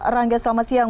rangga selamat siang